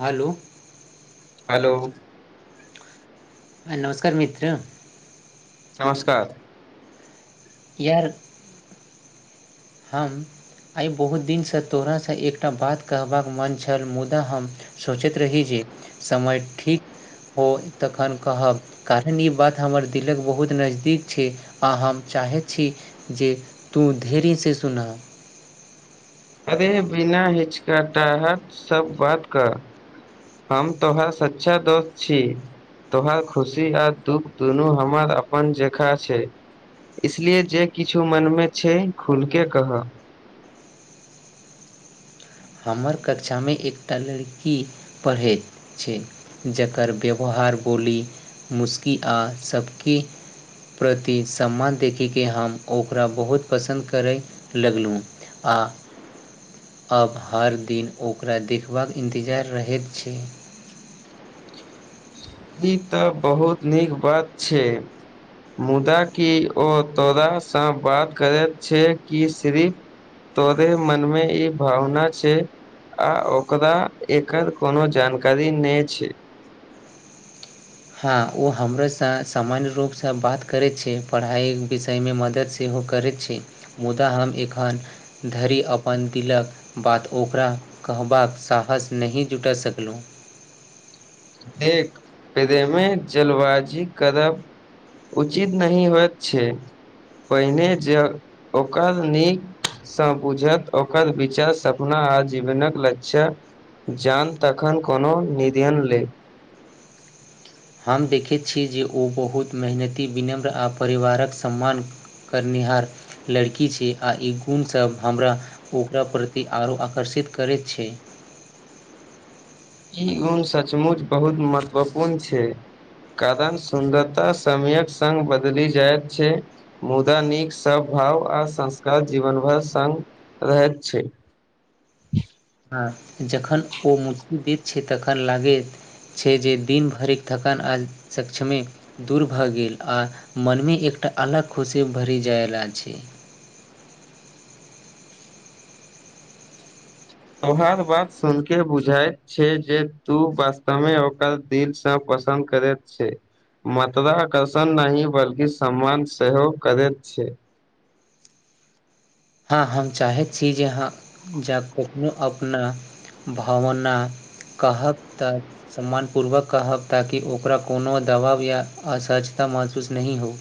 हलो hello नमस्कार मित्र नमस्कार यार हम आइ बहुत दिन स तोरा स एकटा बात कहबाक मन छल मुदा हम सोचैत रही जे समय ठीक हो तखन कहब कारण ई बात हमर दिल कऽ बहुत नजदीक छै आ हम चाहैत छी जे तू धैर्य से सुन अरे बिना हिचकटाहट स बात कर हम तोहरा सच्चा दोस्त छी तोहर खुशी आ दुःख दुनू हमर अपन जेका छै इसलिए जे किछ मन में छै खुल केँ कह हमर कक्षा में एकटा लड़की पढ़ैत छै जकर व्यवहार बोली मुशकी आ सभकी प्रति सम्मान देखि केँ हम ओकरा बहुत पसन्द करै लगलहुँ आ अब हर दिन ओकरा देखबाक इन्तजार रहैत छै ई तऽ बहुत नीक बात छै मुदा कि ओ तोरासँ बात करैत छै कि सिरी तोरे मनमे ई भावना छै आ ओकरा एकर कोनो जानकारी नय छै हँ ओ हमरासँ सामान्य रूपसँ बात करै छै पढ़ाई विषय मे मदद सेहो करैत छी मुदा हम एखन धरि अपन दिलक बात ओकरा कहबाक साहस नहि जुटा सकलहुँ देख प्रेमे जलबाजी करब उचित नहि होयत छै पहिने जऽ ओकर नीक सँ बुझत ओकर विचार सपना आ जीवनक लक्ष्य जान तखन कोनो निधन ले हम देखैत छी जे ओ बहुत मेहनती विनम्र आ परिवारक सम्मान करनिहार लड़की छी आ ई गुणसभ हमरा ओकरा प्रति आरो आकर्षित करैत छै ई ऊन सचमुच बहुत महत्वपूर्ण छै कारण सुन्दरता समयक संग बदली जाइत छै मुदा नीक सभाव आ संस्कार जीवन भर संग रहैत छै हँ जखन ओ मुस्कि दैत छै तखन लागैत छै जे दिन भरिक थकान आज सक्षमे दूर भऽ गेल आ मनमे एकटा अलग खुशी भरि जाय रहल छै तोहार बात सुन केँ बुझाइत छै जे तू वास्तवमे ओकर दिलसँ पसन्द करैत छै मत्रा आकर्षण नहि बल्कि सम्मान सेहो करैत छै हँ हम चाहैत छी जे अहाँ जा कखनो अपना भावना कहब तऽ सम्मानपूर्वक कहब ताकि ओकरा कोनो दबाव या असहजता महसूस नहि हो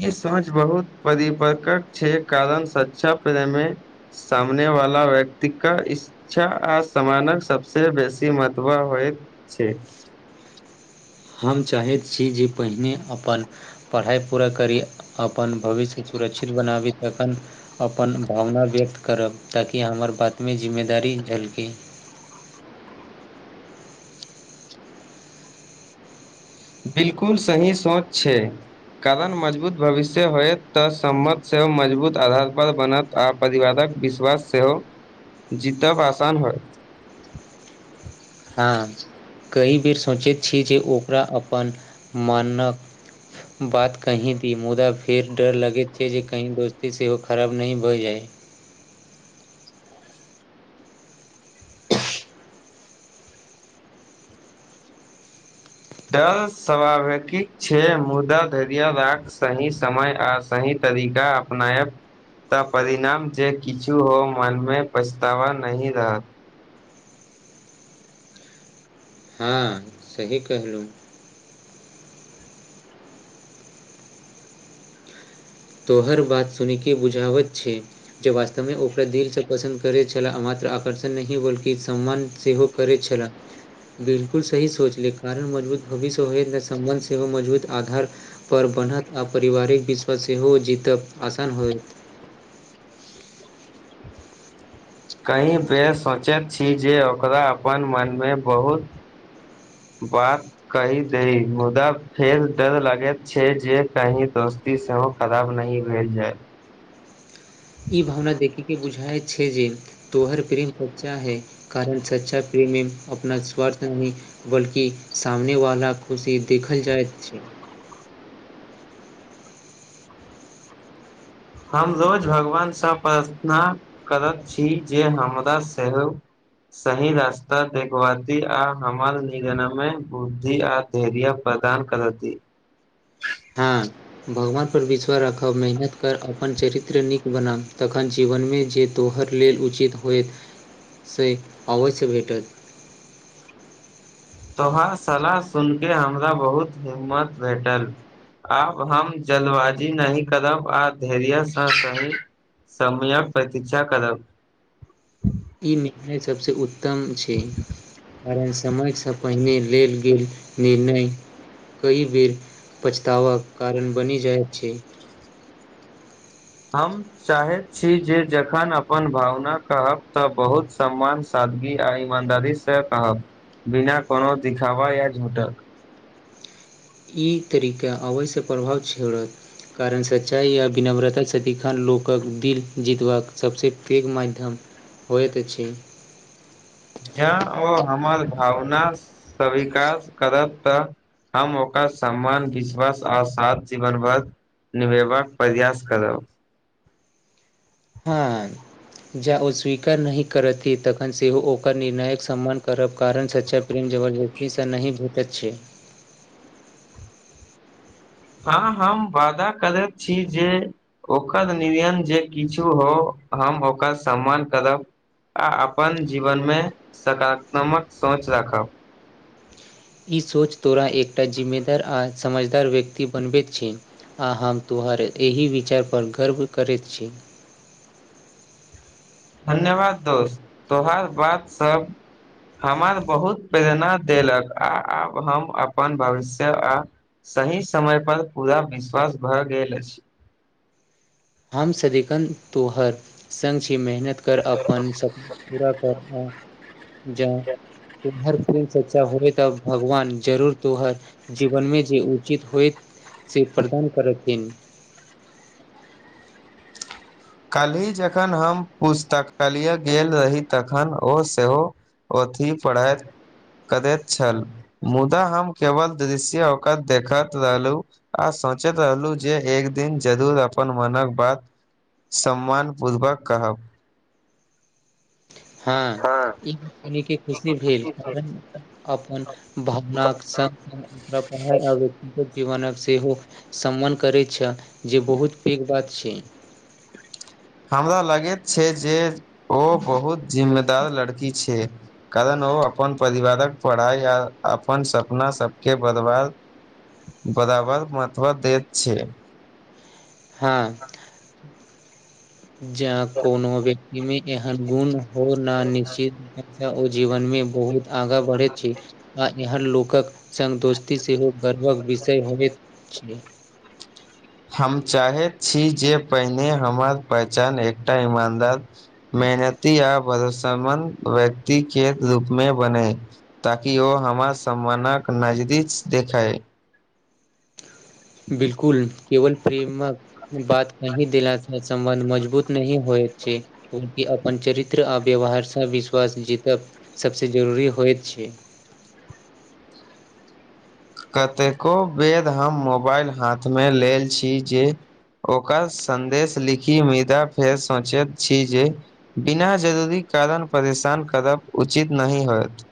ई समझ बहुत परिपर्कक छै कारण सच्चा प्रेमे सामने वाला व्यक्ति कऽ इ च्छा आ सामानक सबसे बेसी महत्व होइत छै हम चाहैत छी जे पहिने अपन परहाइ पूरा करी अपन भविष्य कऽ सुरक्षित बनाबी तखन अपन भावना व्यक्त करब ताकि हमर बातमे जिम्मेदारी झलकि बिल्कुल सही सोच छै कारण मजबूत भविष्य होयत तऽ सम्मत सेहो मजबूत आधार पर बनत आ परिवादक विश्वास सेहो जीतब आसान होय हँ कई बेर सोचैत छी जे ओकरा अपन मानक बात कही दी मुदा फेर डर लगैत छै जे कही दोस्ती सेहो खराब नहि भए जाय डर स्वावेकिक छै मुदा धैर्य राक सही समय आ सही तरीका अपनाइब तऽ परिणाम जे किछु हो मनमे पछतावा नहि रहत हँ सही केहलूँ तोहर बात सुनिके बुझावत छै ज वास्तवमे ओकरा दिलसँ पसन्द करैत छलाह मात्र आकर्षण नहि बल्कि सम्मान सेहो करै छलह बिलकुल सही सोचले कारण मजबूत भविष्य हो नहि सम्बन्ध सेहो मजबूत आधार पर बनत आ पारिवारिक विश्वास सेहो जीतब आसान होइत कहीं बेर सोचैत छी जे ओकरा अपन मनमे बहुत बात कहि दई मुदा फेर डर लागैत छै जे कही दोस ती सेहो खराब नही भेल जाय ईब भाबना देखि के बुझाइत छै जे तोहर प्रेम सच्चा है कारण सच्चा प्रेमी अपना स्वार्थ मे बल्कि सामनेवाला खुशी देखल जाइत छै हम रोज भगवानसँ प्रार्थना करैत छी जे हमरा सेहो सही रास्ता देखवाती आ हमर निगनमे बुद्धि आ धरिया प्रधान करा दी हाँ भगवानपर विश्वास राखब मेहनत कर अपन चरित्र नीक बनाब तखन जीवनमे जे तोहर लेल उचित होय से अवश्य भेटत तोहर सलाह सुन के हमरा बहुत हिम्मत भेटल आब हम जल्दबाजी नहि करब आ धैर्यसँ स कही समयक प्रतीक्षा करब ई निर्णय सभसँ उत्तम छै कारण समयसँ पहिने लेल गेल निर्णय कई बेर पछताबा क कारण बनि जाइत छै हम चाहैत छी जे जखन अपन भावना कहब तऽ बहुत सम्मान सादगी आ ईमानदारी से कहब बिना कोनो दिखावा या झुटक ई तरीका आबैसँ प्रभाव छिड़त कारण सच्चाइ आ विनम्रता सदिखन लोकक दिल जीतबाक सभसँ पैघ माध्यम होइत छै जँ ओ हमर भावना स्विकार करत त हम ओकर सम्मान विश्वास आ साथ जीवनभर निभेबाक प्रयास करब हँ जाँ ओ स्वीकार नहि करथि तखन सेहो ओकर निर्णायक सम्मान करब कारण सच्चा प्रेम जबरदस्तीसँ नहि भेटैत छै हँ हम वादा करैत छी जे ओकर निर्णय जे किछु हो हम ओकर सम्मान करब आ अपन जीवनमे सकारात्मक सोच राखब ई सोच तोरा एकटा जिम्मेदार आ समझदार व्यक्ति बनबैत छै आ हम तोहर एहि विचारपर गर्व करैत छी धन्यवाद दोस्त तोहार बात सब हमरा बहुत प्रेरणा देलक आ आब हम अपन भविष्य आ सही समय पर पूरा विश्वास भए गेल अछि हम सदिखन तोहर संग छीे मेहनत कर कर अपन सपना पूरा कर जा तोहर प्रेम सच्चा होबै तऽ भगवान जरूर तोहर जीवनमे जे उचित होइत से प्रदान करथिन काल्हि जखन हम पुस्तकालय गेल रही तखन ओ सेहो अथि पढाई करैत छल मुदा हम केवल दृश्य ओकर देखैत रहलू आ सोचैत रहलहुँ जे एक दिन जरूर अपन मनक बात सम्मान पूर्वक कहब हाँ हँ ई सुनिके खुशी भेल कारण अपन भावनाके सङ्ग ओकरा पढ़ाइ आबैत जीवनक सेहो सम्मान करै छऽ जे बहुत पैघ बात छै हमरा लगैत छै जे ओ बहुत जिम्मेदार लड़की छै कारण ओ अपन परिवारक पढ़ाइ आ अपन सपना सबके बर्बाद बराबर महत्व देत छै हाँ जं कोनो व्यक्तिमे एहन गुण हो न निश्चित तऽ ओ जीवनमे बहुत आगा बढ़ैत छै आ एहन लोकक संग दोस्ती सेहो गर्वक विषय होएत छै हम चाहैत छी जे पहिने हमर पहचान एकटा ईमानदार मेहनती आ भरोसामंद व्यक्तिके रूपमे बने ताकि ओ हमरा सम्मानक नजदीक देखैय बिल्कुल केवल प्रेमक बात कहि देलासँ सम्बंध मजबूत नहि होइ छै उनके अपन चरित्र आ व्यवहारसँ विश्वास जीतब सबसे जरूरी होएत छै कतेको बेर हम मोबाइल हाथमे लेल छी जे ओकर सन्देश लीखी मुदा फेर सोचैत छी जे बिना जरूरी कारण परेशान करब उचित नहि होएत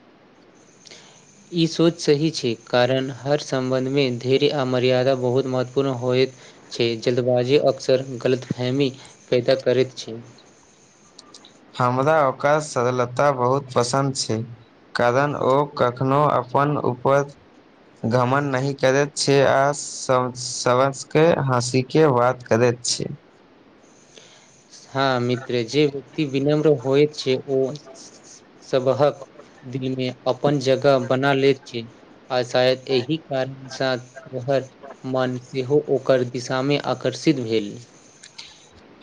ई सोच सही छै कारण हर सम्बन्धमे धैर्य आ मर्यादा बहुत महत्वपूर्ण होएत छै जल्दबाजी अक्सर गलतफहमी पैदा करैत छै हमरा ओका सरलता बहुत पसन्द छै कारण ओ कखनो अपन उपर घमण्ड नहि करैत छे आ सब समझके हँसी के बात करैत छै हाँ मित्रे जे व्यक्ति विनम्र होइत छै ओ सभहक दिलमे अपन जगह बना लेैत छै आ शायद एही कारण सा रहत मन सेहो ओकर दिशामे आकर्षित भेल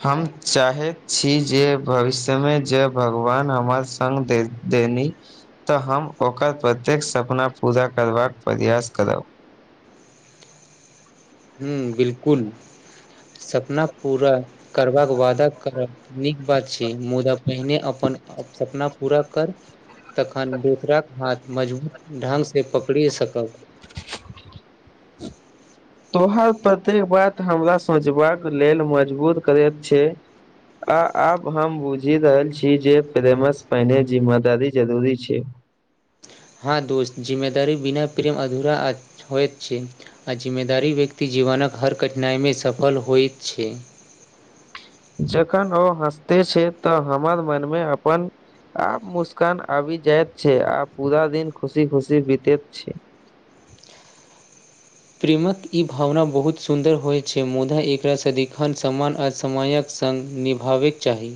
हम चाहैत छी जे भविष्यमे जे भगवान हमर सङ्ग दे देनी तन हम ओकर प्रत्येक सपना पूरा करबाक प्रयास करब हूँ बिल्कुल सपना पूरा करबाक वादा करब नीक बात छै मुदा पहिने अपन सपना पूरा कर तखन दो हाथ मजबूत ढंगसँ पकरिए सकब तोहर प्रतेक बात हमरा सोचबाक लेल मजबूर करैत छै आ आब हम बुझी रहल छी जे प्रेमसँ पहिने जिम्मेदारी जरूरी छे हाँ दोस्त जिम्मेदारी बिना प्रेम अधूरा आ होइत छे आ जिम्मेदारी व्यक्ति जीवन कऽ हर कठिनाइ में सफल होइ छै जखन ओ हँसते छै तऽ हमर मन में अपन आ मुस्कान आबी जैत छै आ पूरा दिन खुशी खुशी बितैत छै प्रेमक ई भावना बहुत सुन्दर होइ छै मुदा एकरा सदीखन समान आ समय कऽ संग निभाबै चाही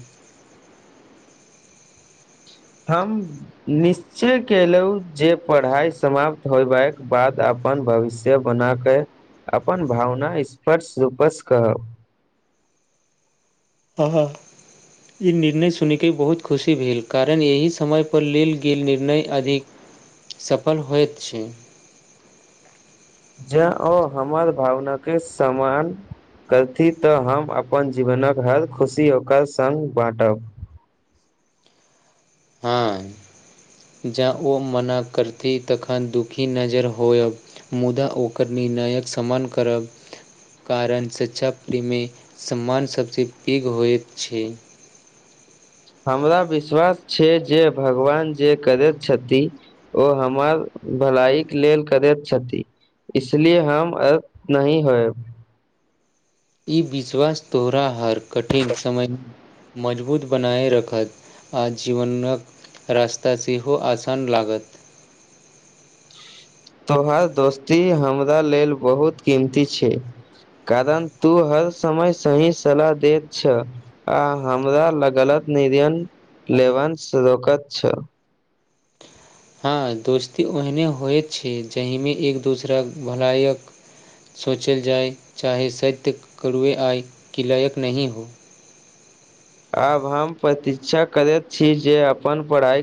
हम निश चय केलौ जे पढ़ाइ समाप्त होयबाक बाद अपन भविष्य बनाक केँ अपन भावना स्पर्श रूपस कहब [unintelligible] ई निर्णय सुनी कऽ बहुत खुशी भेल कारण एही समय पर लेल गेल निर्णय अधिक सफल होइत छै जै ओ हमर भावना केँ समान करती तऽ हम अपन जीवनक हर खुशी ओकर संग बांटब हऽ जे ओ मना करती तखन दुखी नजर होयब मुदा ओकर निर्णयक समान करब कारण सच्चा प्रेम में सम्मान सब से पेघ होइत छै हमरा विश्वास छै जे भगवान जे करैत छति ओ हमर भलाइ केँ लेल करैत छति [unintelligible] इ विश्वास तोहरा हर कठिन समय मजबूत बनाये रखत आ जीवनक रास्ता सेहो आसान लागत तोहर दोस्ती हमरा लेल बहुत कीमती छै कारण तू हर समय सही सलाह देैत छ आ हमरा लऽ गलत नियन लेवंस रोकत छ हऽ दोस्ती ओहिने होइत छै जाहिमे एक दोसराक भलायक सोचल जाय चाही सत्य करुए आय की लायक नहीं हो आब हम प्रतीक्षा करैत छी जे अपन पढ़ाई